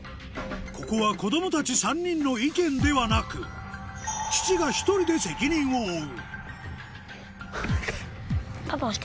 ここは子供たち３人の意見ではなく父が一人で責任を負うパパ押して。